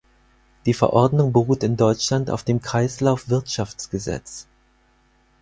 Die Verordnung beruht in Deutschland auf dem Kreislaufwirtschaftsgesetz.